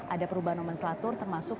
ada perubahan nomenklatur termasuk